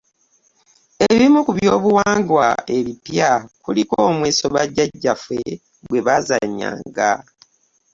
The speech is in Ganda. Ebimu ku byobuwangwa ebipya kuliko omweso bajjajjaffe gwebaazannyanga